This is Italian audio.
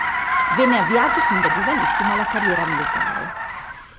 Venne avviato fin da giovanissimo alla carriera militare.